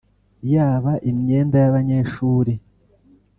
yaba imyenda y’abanyeshuri